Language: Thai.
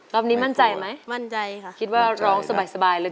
ต้องจัดเวลาภาคไหน